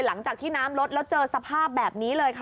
หลังจากที่น้ำลดแล้วเจอสภาพแบบนี้เลยค่ะ